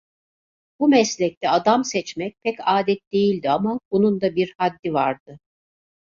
Bu meslekte adam seçmek pek adet değildi ama, bunun da bir haddi vardı.